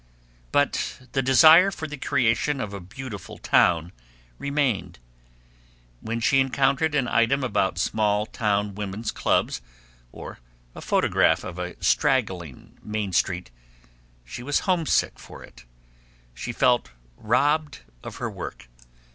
But the desire for the creation of a beautiful town remained. When she encountered an item about small town women's clubs or a photograph of a straggling Main Street, she was homesick for it, she felt robbed of her work.